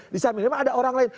di samirinima ada orang lain